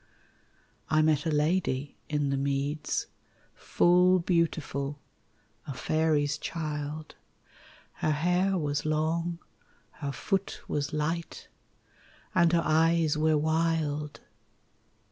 I met a lady in the meads, Full beautiful a faery's child, Her hair was long, her foot was light, And her eyes were wild.